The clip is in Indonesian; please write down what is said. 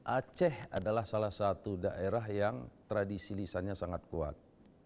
aceh adalah salah satu daerah yang tradisi lisannya sangat kuat